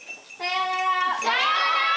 さようなら。